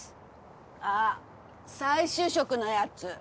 ああ再就職のやつ。